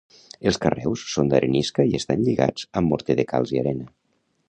Els carreus són d'arenisca i estan lligats amb morter de calç i arena.